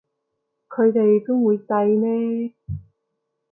佢哋邊會䎺呢